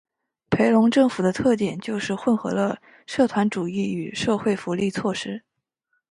裴隆政府的特点就是混合了社团主义和社会福利措施。